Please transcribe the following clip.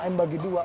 lima m bagi dua